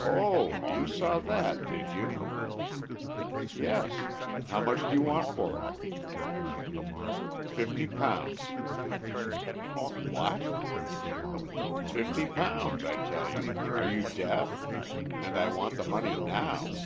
"Oh, you saw that, did you?" "Yes. How much do you want for it?" "£50." "What?" "£50, I tell you. Are you deaf? And I want the money now."